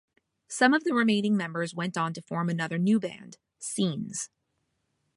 Some of the remaining members went on to form another new band, Scenes.